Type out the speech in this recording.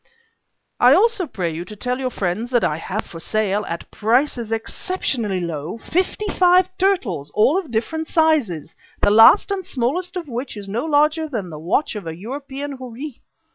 "I also pray you to tell your friends that I have for sale, at prices exceptionally low, fifty five turtles, all of different sizes, the last and smallest of which is no larger than the watch of a European houri.